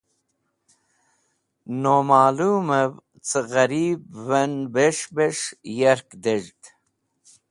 No malũmẽv cẽ ghẽribvẽn bes̃h bes̃h yark dez̃hd.